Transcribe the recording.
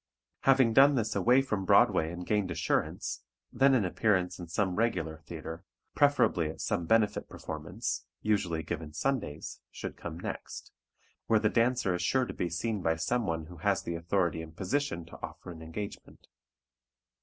Having done this away from Broadway and gained assurance, then an appearance in some regular theatre, preferably at some benefit performance, usually given Sundays, should come next, where the dancer is sure to be seen by someone who has the authority and position to offer an engagement.